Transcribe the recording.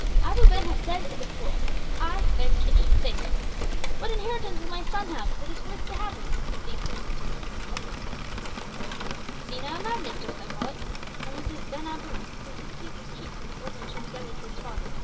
Abu Ben Hesed is a fool! I, Ben Kish, say so. What inheritance will my sons have that is worth the having if these things continue?" "Senile madness, dost thou call it? And what says Ben Abu, who succeeds as chief when the old man shall be gathered to his fathers?"